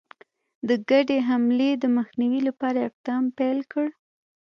د ګډي حملې د مخنیوي لپاره اقدام پیل کړ.